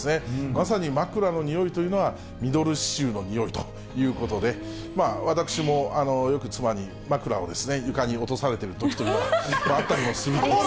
まさに枕のにおいというのは、ミドル脂臭のにおいということで、私もよく妻に、枕を床に落とされているときというのがあったりするんです。